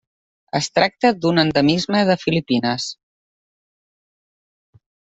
Es tracta d'un endemisme de Filipines.